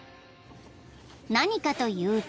［何かというと］